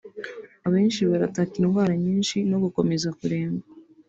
Abenshi barataka indwara nyinshi no gukomeza kuremba